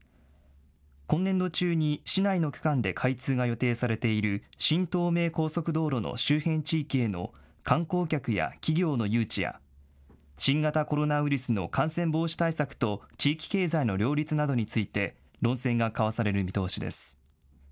今年度中に市内の区間で開通が予定されている新東名高速道路の周辺地域への観光客や企業の誘致や新型コロナウイルスの感染防止対策と地域経済の両立などについて論戦が交わされる見通しです。